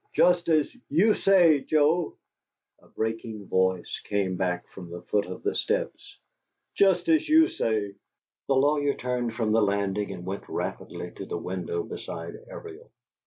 "Just as YOU say, Joe," a breaking voice came back from the foot of the steps, "just as YOU say!" The lawyer turned from the landing and went rapidly to the window beside Ariel.